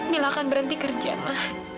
mila akan berhenti kerja ma